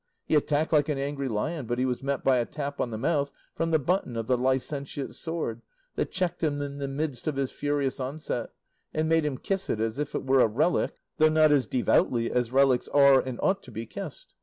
He attacked like an angry lion, but he was met by a tap on the mouth from the button of the licentiate's sword that checked him in the midst of his furious onset, and made him kiss it as if it were a relic, though not as devoutly as relics are and ought to be kissed.